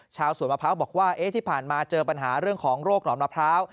ชาวสวนมะพร้าวบอกว่าที่ผ่านมาเจอปัญหาเรื่องของโรคหนอนมะพร้าว